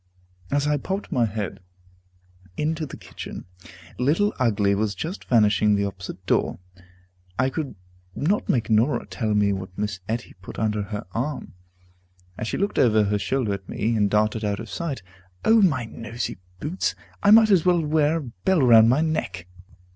As I popped my head into the kitchen, Little Ugly was just vanishing at the opposite door. I could not make Norah tell me what Miss Etty put under her arm, as she looked over her shoulder at me, and darted out of sight. O my noisy boots! I might as well wear a bell round my neck.